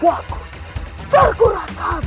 untuk mendapatkan makan